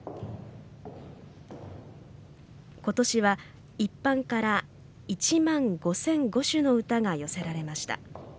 今年は一般から１万５００５首の歌が寄せられました。